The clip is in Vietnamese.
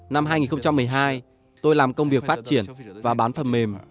năm hai nghìn một mươi hai tôi làm công việc phát triển và bán phần mềm